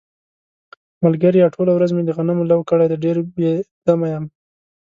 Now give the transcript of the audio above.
ملگریه ټوله ورځ مې د غنمو لو کړی دی، ډېر بې دمه یم.